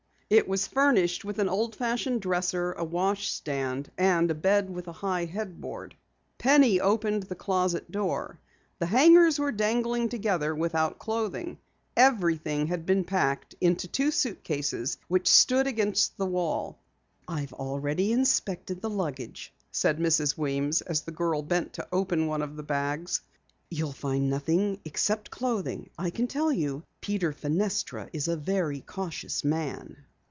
It was furnished with an old fashioned dresser, a wash stand and a bed with a high headboard. Penny opened the closet door. The hangers were dangling together, without clothing. Everything had been packed into two suitcases which stood against the wall. "I've already inspected the luggage," said Mrs. Weems as the girl bent to open one of the bags. "You'll find nothing except clothing. I tell you, Peter Fenestra is a very cautious man."